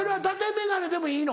眼鏡でもいいの？